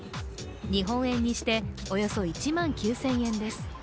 日本円にしておよそ１万９０００円です